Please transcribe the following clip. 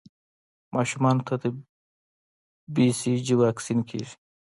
ماشومانو ته د بي سي جي واکسین کېږي.